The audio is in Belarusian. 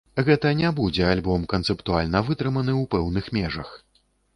Гэта не будзе альбом канцэптуальна вытрыманы ў пэўных межах.